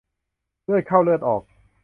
เลือดเข้าเลือดออก